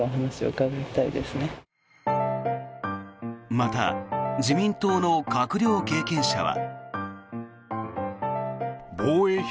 また自民党の閣僚経験者は。